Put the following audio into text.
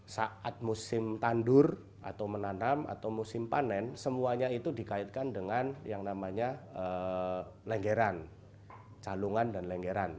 saat musim tandur atau menanam atau musim panen semuanya itu dikaitkan dengan yang namanya lenggeran calungan dan lenggeran